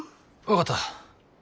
分かった。